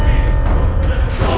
aku tidak berat